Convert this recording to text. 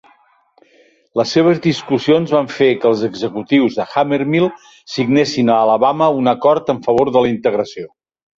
Les seves discussions van fer que els executius de Hammermill signessin a Alabama un acord en favor de la integració.